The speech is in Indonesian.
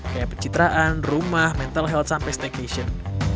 kayak pencitraan rumah mental health sampai staycation